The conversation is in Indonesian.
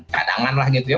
kadangan lah gitu ya